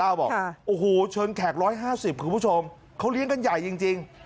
บอกโอ้โหเชิญแขก๑๕๐คุณผู้ชมเขาเลี้ยงกันใหญ่จริง